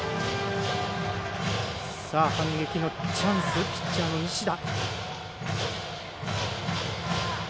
反撃のチャンスピッチャーの西田。